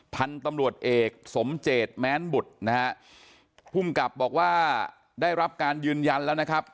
พันธุ์ตำรวจเอกสมเจตแม้นบุตรนะฮะภูมิกับบอกว่าได้รับการยืนยันแล้วนะครับ